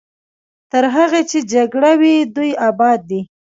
تر هغې چې جګړه وي دوی اباد دي.